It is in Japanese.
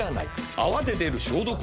「泡で出る消毒液」は。